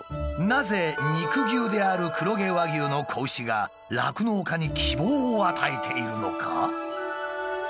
なぜ肉牛である黒毛和牛の子牛が酪農家に希望を与えているのか？